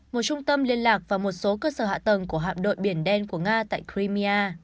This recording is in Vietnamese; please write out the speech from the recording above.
một trung tâm liên lạc và một số cơ sở hạ tầng của hạm đội biển đen của nga tại crimia